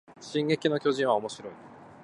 進撃の巨人はおもしろい